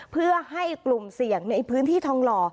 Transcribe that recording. เพื่อให้กลุ่มเสี่ยงในพื้นที่ทองหล่อ